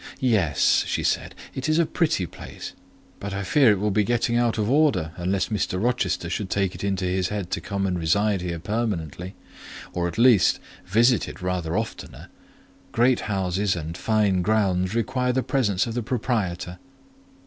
"Yes," she said, "it is a pretty place; but I fear it will be getting out of order, unless Mr. Rochester should take it into his head to come and reside here permanently; or, at least, visit it rather oftener: great houses and fine grounds require the presence of the proprietor."